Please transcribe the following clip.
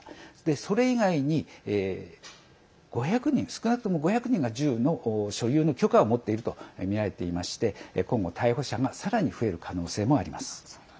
それ以外に５００人少なくとも５００人が銃の所有の許可を持っているとみられていまして今後、逮捕者がさらに増える可能性もあります。